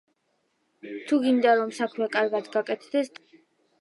„თუ გინდა, რომ საქმე კარგად გაკეთდეს, თავად გააკეთე ის.”